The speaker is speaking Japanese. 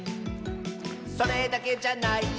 「それだけじゃないよ」